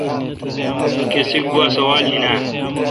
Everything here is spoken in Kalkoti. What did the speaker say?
کسی گوا سوال این اؘ۔